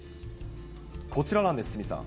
こちらなんです、鷲見さん。